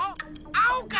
あおか？